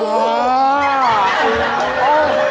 อื้อ